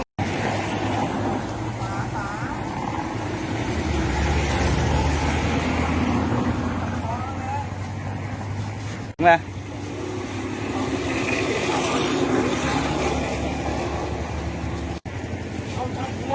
ถึงภาพวิทยาลักษณ์